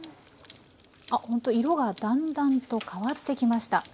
あほんと色がだんだんと変わってきました。